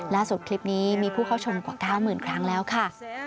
คลิปนี้มีผู้เข้าชมกว่า๙๐๐ครั้งแล้วค่ะ